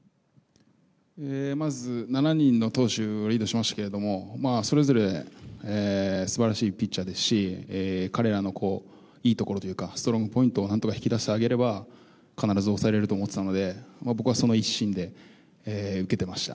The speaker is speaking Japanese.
まず、７人の投手をリードしましたけれども、それぞれすばらしいピッチャーですし、彼らのいいところというか、ストロングポイントをなんとか引き出してあげれば、必ず抑えられると思ってたので、僕はその一心で受けてました。